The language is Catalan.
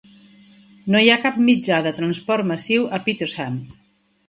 No hi ha cap mitjà de transport massiu a Petersham.